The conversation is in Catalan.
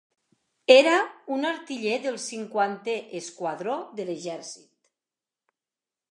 Era un artiller del cinquantè esquadró de l'exèrcit.